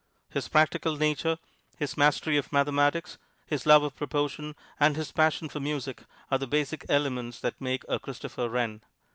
His practical nature, his mastery of mathematics, his love of proportion, and his passion for music are the basic elements that make a Christopher Wren.